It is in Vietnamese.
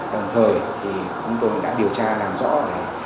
đồng thời thì chúng tôi đã điều tra làm rõ để